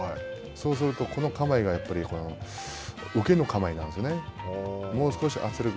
そうすると、この構えが受けの構えなんですね。